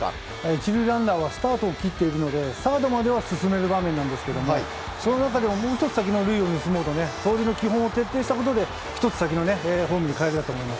１塁ランナーはスタートを切っているのでサードまでは進める場面なんですがその中でももう１つの先を盗もうと走塁の基本で１つ先のホームにかえれたと思います。